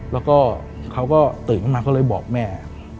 แล้วก็เขาก็ตื่นขึ้นมาเขาเลยบอกแม่